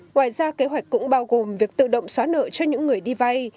ngoài ra kế hoạch cũng bao gồm việc tự động xóa nợ cho những người đi vay